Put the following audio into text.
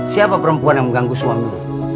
siapa perempuan yang mengganggu suami